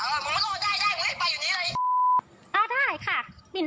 เออมึงไม่ต้องมาได้ได้มึงไม่ได้ไปอยู่นี้เลย